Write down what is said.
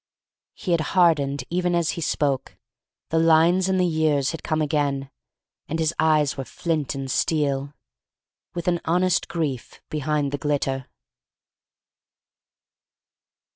He had hardened even as he spoke: the lines and the years had come again, and his eyes were flint and steel, with an honest grief behind the glitter.